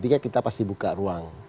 mesti buka ruang